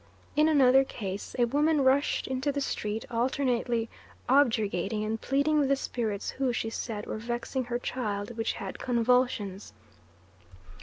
In another case a woman rushed into the street, alternately objurgating and pleading with the spirits, who, she said, were vexing her child which had convulsions.